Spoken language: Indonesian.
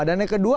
dan yang kedua